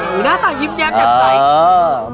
อ๋อน่าตาแย๊บจากใส่